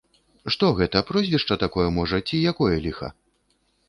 Што гэта, прозвішча такое можа, ці якое ліха?